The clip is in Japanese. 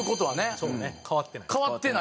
そうね変わってない。